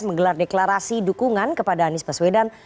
menggelar deklarasi dukungan kepada anies baswedan